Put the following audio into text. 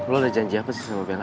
lo ada janji apa sih sama bella